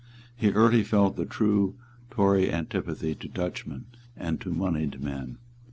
He early felt the true Tory antipathy to Dutchmen and to moneyed men.